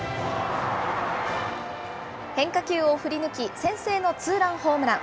変化球を振り抜き、先制のツーランホームラン。